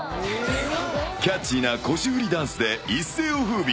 キャッチーな腰振りダンスで一世を風靡。